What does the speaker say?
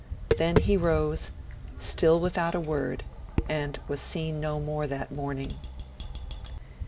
Then he rose, still without a word, and was seen no more that morning.'